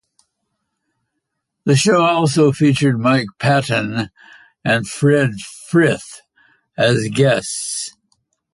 The show also featured Mike Patton and Fred Frith as guests.